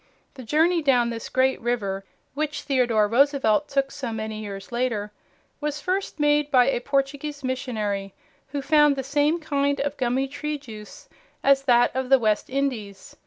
The journey down this great river which Theodore Roosevelt took so many years later was first made by a Portuguese missionary, who found the same kind of gummy tree juice as that of the West Indies.